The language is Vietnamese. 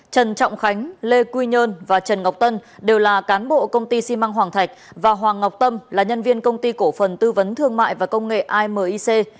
trần trọng khánh lê quy nhơn và trần ngọc tân đều là cán bộ công ty xi măng hoàng thạch và hoàng ngọc tâm là nhân viên công ty cổ phần tư vấn thương mại và công nghệ amic